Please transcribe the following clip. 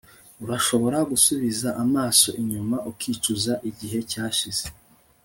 urashobora gusubiza amaso inyuma ukicuza igihe cyashize